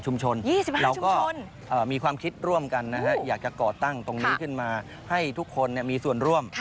เราก็มีความคิดร่วมกันอยากจะก่อตั้งตรงนี้ขึ้นมาให้ทุกคนมีส่วนร่วม